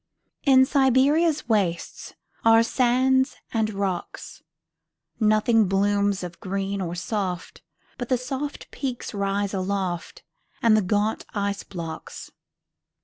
In Siberia's wastesAre sands and rocks. Nothing blooms of green or soft, But the snowpeaks rise aloftAnd the gaunt ice blocks.